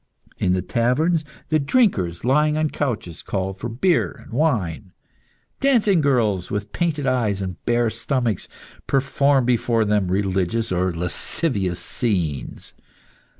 In the taverns, the drinkers, lying on couches, called for beer and wine. Dancing girls, with painted eyes and bare stomachs, performed before them religious or lascivious scenes.